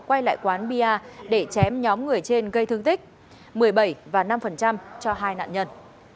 quay lại quán bia để chém nhóm người trên gây thương tích một mươi bảy và năm cho hai nạn nhân